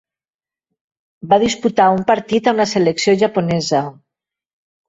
Va disputar un partit amb la selecció japonesa.